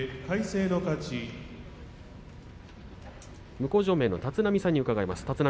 向正面の立浪さんに伺います。